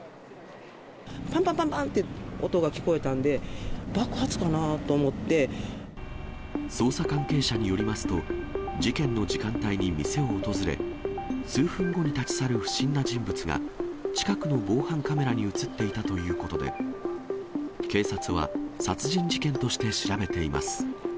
ぱんぱんぱんぱんって音が聞捜査関係者によりますと、事件の時間帯に店を訪れ、数分後に立ち去る不審な人物が、近くの防犯カメラに写っていたということで、警察は殺人事件として調べています。